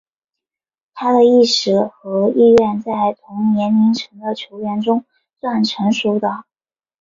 他的意识和意愿在同年龄层的球员中算是成熟的。